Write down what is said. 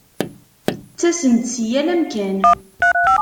Ttasen-d si yal amkan.